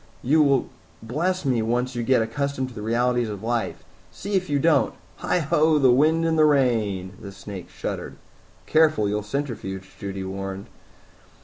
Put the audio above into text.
You will bless me, once you get accustomed to the realities of life see if you don't. Heigh ho the wind and the rain!" The snake shuddered. "Careful, you'll centrifuge," Judy warned.